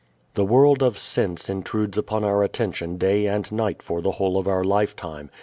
The world of sense intrudes upon our attention day and night for the whole of our lifetime.